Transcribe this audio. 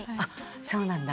そうなんだ。